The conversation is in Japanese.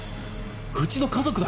うちの家族だ！